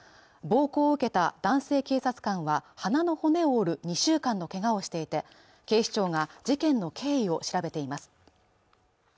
暴行を受けた男性警察官は鼻の骨を折る２週間のけがをしていて、警視庁が事件の経緯を調べています。